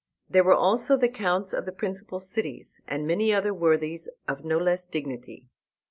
There were also the counts of the principal cities, and many other worthies of no less dignity.